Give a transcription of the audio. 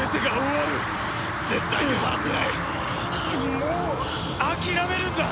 もう諦めるんだ！